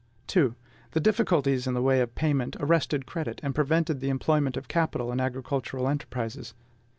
2. The difficulties in the way of payment arrested credit, and prevented the employment of capital in agricultural enterprises.